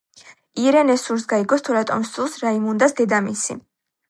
ირენეს სურს გაიგოს თუ რატომ სძულს რაიმუნდას დედამისი.